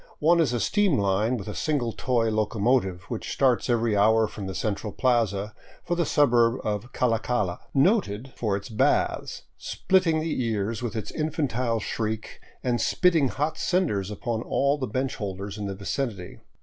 One is a steam line with a single toy locomotive, which starts every hour from the central plaza, for the suburb Calacala, " noted " for its baths, splitting the ears with its infantile shriek and spitting hot cinders upon all the bench holders in the vicinity.